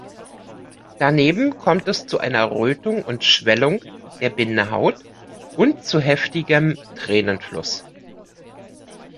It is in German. Daneben kommt es zu einer Rötung und Schwellung der Bindehaut und zu heftigem Tränenfluss.